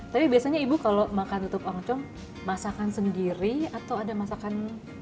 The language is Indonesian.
tapi biasanya ibu kalau makan tutup ongcong masakan sendiri atau ada masakan